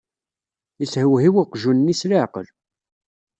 Yeshewhiw uqjun-nni s leɛqel.